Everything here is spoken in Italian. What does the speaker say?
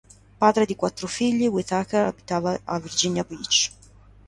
Padre di quattro figli, Whitaker abitava a Virginia Beach.